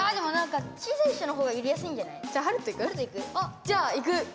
じゃあいく！